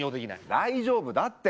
大丈夫だって。